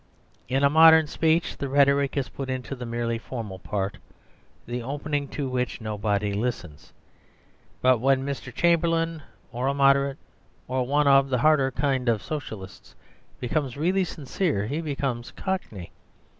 In a modern speech the rhetoric is put into the merely formal part, the opening to which nobody listens. But when Mr. Chamberlain, or a Moderate, or one of the harder kind of Socialists, becomes really sincere, he becomes Cockney.